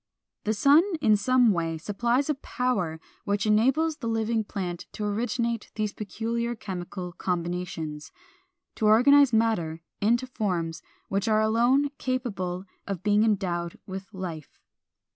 The sun in some way supplies a power which enables the living plant to originate these peculiar chemical combinations, to organize matter into forms which are alone capable of being endowed with life.